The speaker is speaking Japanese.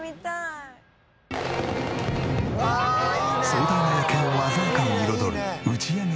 壮大な夜景を鮮やかに彩る打ち上げ花火。